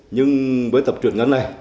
nhưng với tập truyền ngắn này